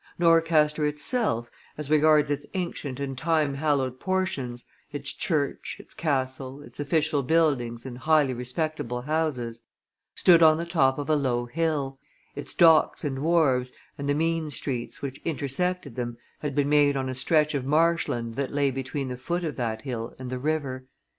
Norcaster itself, as regards its ancient and time hallowed portions, its church, its castle, its official buildings and highly respectable houses, stood on the top of a low hill; its docks and wharves and the mean streets which intersected them had been made on a stretch of marshland that lay between the foot of that hill and the river.